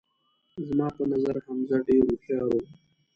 زما په نظر حمزه ډیر هوښیار وو